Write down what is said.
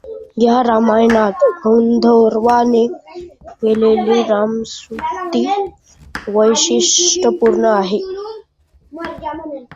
या रामायणात गंधर्वाने केलेली रामस्तुती वैशिष्टपूर्ण आहे.